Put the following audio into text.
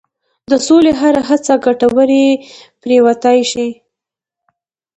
د سولې هره هڅه ګټوره پرېوتای شي.